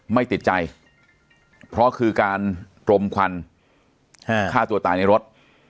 ไม่ติดใจเพราะคือการรมควันฆ่าตัวตายในรถ